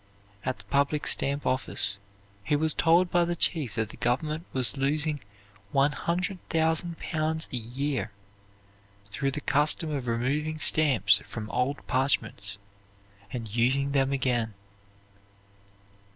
At the public stamp office he was told by the chief that the government was losing 100,000 pounds a year through the custom of removing stamps from old parchments and using them again.